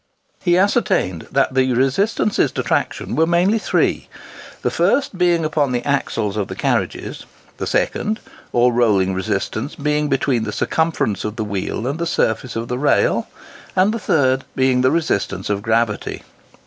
He ascertained that the resistances to traction were mainly three; the first being upon the axles of the carriages, the second, or rolling resistance, being between the circumference of the wheel and the surface of the rail, and the third being the resistance of gravity.